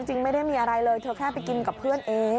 ไม่ได้มีอะไรเลยเธอแค่ไปกินกับเพื่อนเอง